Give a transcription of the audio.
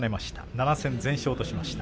７戦全勝としました。